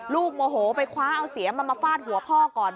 โมโหไปคว้าเอาเสียมมามาฟาดหัวพ่อก่อน